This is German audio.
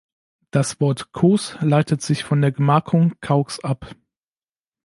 Das Wort Cos leitet sich von der Gemarkung "Caux" ab.